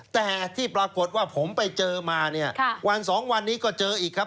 แต่ที่ปรากฏว่าผมไปเจอมาเนี่ยวันสองวันนี้ก็เจออีกครับ